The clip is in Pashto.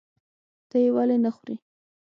ته یې ولې نخورې؟